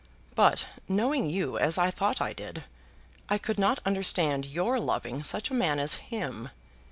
But, knowing you as I thought I did, I could not understand your loving such a man as him.